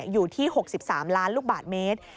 อยู่ที่๖๓ล้านลูกบาทเมตร